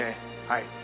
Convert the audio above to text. はい。